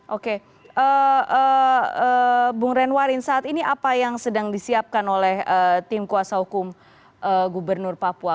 oke bung renwarin saat ini apa yang sedang disiapkan oleh tim kuasa hukum gubernur papua